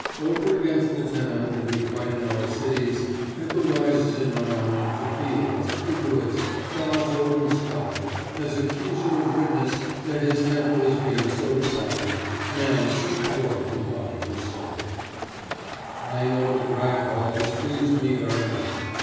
Over against the tenement that we fight in our cities ever rises in my mind the fields, the woods, God's open sky, as accuser and witness that His temple is being so defiled, man so dwarfed in body and soul. [Illustration: The View the Stork got of the Old Town] I know that Rag Hall displeased me very much.